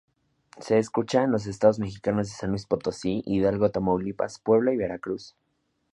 Se escucha en los estados mexicanos de San Luis Potosí, Hidalgo, Tamaulipas, Puebla y Veracruz.